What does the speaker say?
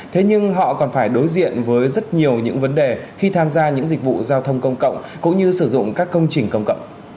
thế nhưng họ còn phải đối diện với rất nhiều những vấn đề khi tham gia những dịch vụ giao thông công cộng cũng như sử dụng các công trình công cộng